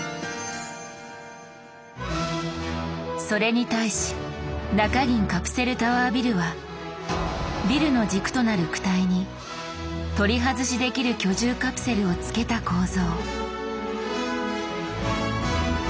それに対し中銀カプセルタワービルはビルの軸となる躯体に取り外しできる居住カプセルをつけた構造。